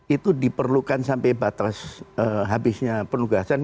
itu diperlukan sampai batas habisnya penugasan